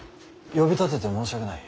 呼び立てて申し訳ない。